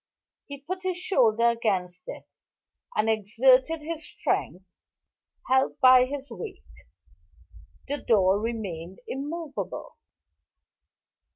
He put his shoulder against it, and exerted his strength, helped by his weight. The door remained immovable.